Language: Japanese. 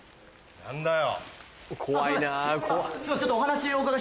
何だよ！